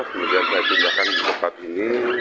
kemudian saya menyediakan tempat ini